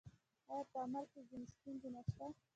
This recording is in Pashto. آیا په عمل کې ځینې ستونزې نشته؟